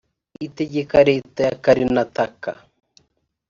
itegeka leta ya karnataka